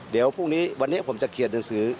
เดี๋ยวพรุ่งนี้วันนี้ผมจะเขียนหนังสือ